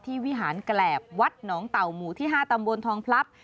วิหารแกรบวัดหนองเต่าหมู่ที่๕ตำบลทองพลับ